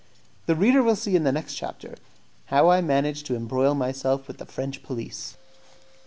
The reader will see in the next chapter how I managed to embroil myself with the French police.